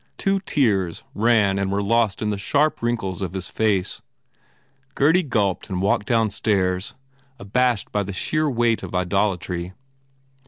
Two tears ran and were lost in the sharp wrinkles of his face. Gurdy gulped and walked downstairs, abashed by the sheer weight of idolatry.